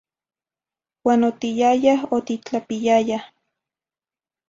Uan otiyayah otitlapiyayah.